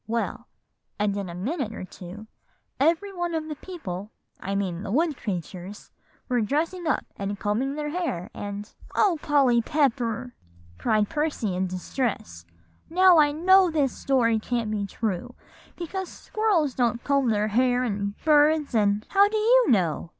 Well, and in a minute or two every one of the people, I mean the wood creatures, were dressing up and combing their hair, and" "O Polly Pepper!" exclaimed Percy in distress, "now I know this story can't be true; because squirrels don't comb their hair, and birds, and" "How do you know?"